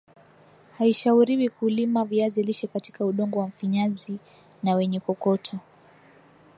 haishauriwi kulima viazi lishe katika udongo wa mfinyazi na wenye kokoto